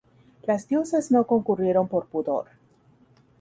Las diosas no concurrieron por pudor.